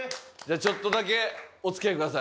ちょっとだけお付き合いください。